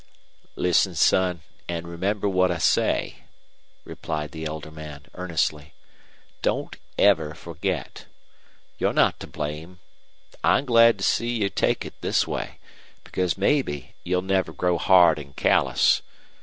"Listen, son, an' remember what I say," replied the elder man, earnestly. "Don't ever forget. You're not to blame. I'm glad to see you take it this way, because maybe you'll never grow hard an' callous.